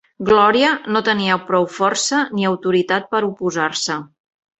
Glòria no tenia prou força ni autoritat per oposar-se.